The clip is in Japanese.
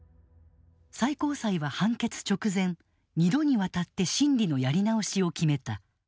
最高裁は判決直前２度にわたって審理のやり直しを決めた。